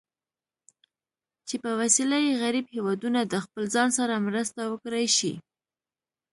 چې په وسیله یې غریب هېوادونه د خپل ځان سره مرسته وکړای شي.